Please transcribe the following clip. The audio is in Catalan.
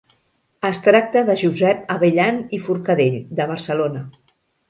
Es tracta de Josep Abellan i Forcadell, de Barcelona.